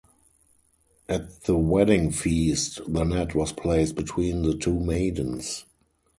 At the wedding feast the net was placed between the two maidens.